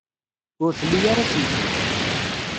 Ur tli ara aselkim.